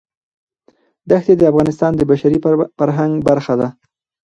دښتې د افغانستان د بشري فرهنګ برخه ده.